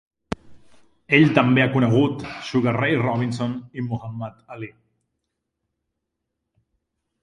Ell també ha conegut Sugar Ray Robinson i Muhammad Ali.